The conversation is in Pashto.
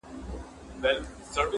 ګاونډي دي بچي پلوري له غربته,